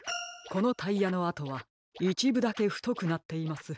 このタイヤのあとはいちぶだけふとくなっています。